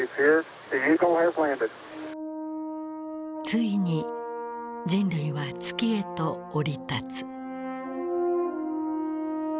ついに人類は月へと降り立つ。